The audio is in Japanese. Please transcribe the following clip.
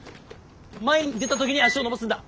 前に出た時に足を伸ばすんだ。